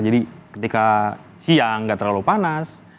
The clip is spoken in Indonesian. jadi ketika siang gak terlalu panas